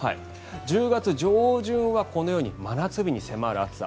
１０月上旬はこのように真夏日に迫る暑さ。